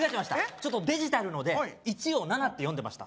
ちょっとデジタルので１を７って読んでました